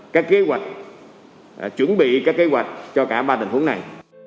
các kế hoạch chuẩn bị các kế hoạch cho cả ba tình huống này